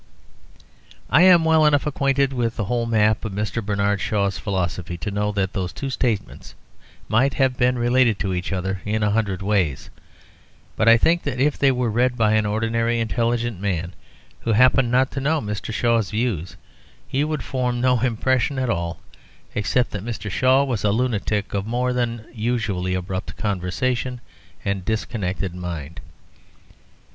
I am well enough acquainted with the whole map of Mr. Bernard Shaw's philosophy to know that those two statements might have been related to each other in a hundred ways. But I think that if they were read by an ordinary intelligent man, who happened not to know Mr. Shaw's views, he would form no impression at all except that Mr. Shaw was a lunatic of more than usually abrupt conversation and disconnected mind.